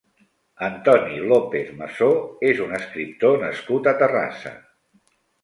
Antoni López Massó és un escriptor nascut a Terrassa.